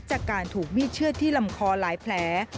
จากการถูกมีดเชื่อดที่ลำคอหลายแผล